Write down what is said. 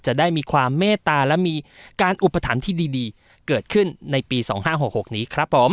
จะได้มีความเมตตาและมีการอุปถัมภ์ที่ดีเกิดขึ้นในปี๒๕๖๖นี้ครับผม